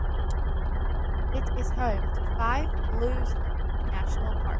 It is home to Five Blues Lake National Park.